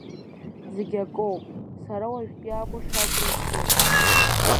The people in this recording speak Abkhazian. Зегьы акоуп, сара уаҵәтәи амыш агәра згоит.